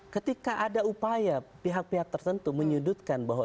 ketika ada upaya pihak pihak tertentu menyudutkan bahwa